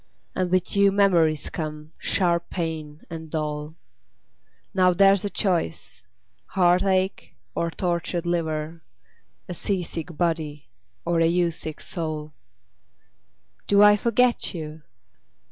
And with you memories come, sharp pain, and dole. Now there's a choice heartache or tortured liver! A sea sick body, or a you sick soul! Do I forget you?